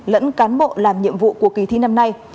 lẫn cán bộ làm nhiệm vụ của kỳ thi năm nay